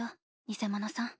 偽者さん。